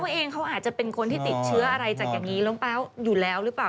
เขาเองเขาอาจจะเป็นคนที่ติดเชื้ออะไรจากแบบนี้หรือเปล่า